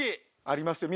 ありますよ